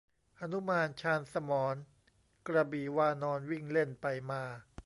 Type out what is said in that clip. หนุมานชาญสมร กระบี่วานร วิ่งเล่นไปมา